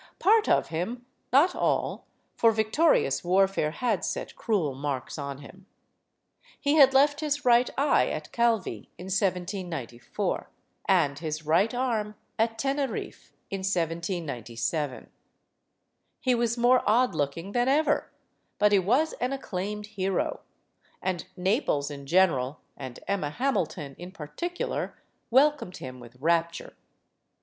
Part of him ; not all for victorious warfare had set cruel marks on him. He had left his right eye at Calvi in 1794, and his right arm at TenerifFe in 1 79 7. He was more odd looking than ever, but he was an acclaimed hero. And Naples in general and Emma Hamilton in particular welcomed him with rap ture.